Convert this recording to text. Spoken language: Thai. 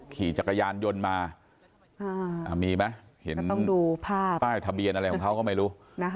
ขี่จักรยานยนต์มาต้องดูภาพทะเบียนอะไรของเขาก็ไม่รู้